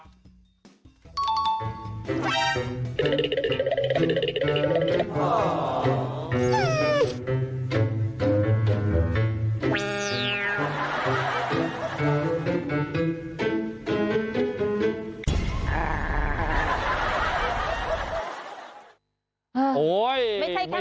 เธอชัดแล้ว